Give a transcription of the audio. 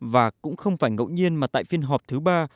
và cũng không phải ngẫu nhiên mà tại phiên họp thứ ba